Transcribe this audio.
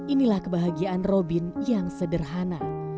inilah kebahagiaan robin yang sederhana